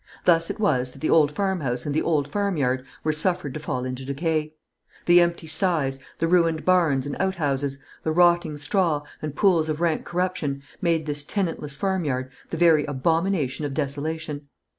Thus it was that the old farmhouse and the old farmyard were suffered to fall into decay. The empty sties, the ruined barns and outhouses, the rotting straw, and pools of rank corruption, made this tenantless farmyard the very abomination of desolation.